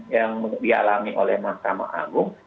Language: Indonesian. yang dialami oleh mahkamah agung